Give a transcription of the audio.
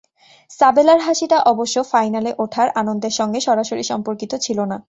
সাবেলার হাসিটা অবশ্য ফাইনালে ওঠার আনন্দের সঙ্গে সরাসরি সম্পর্কিত ছিল না।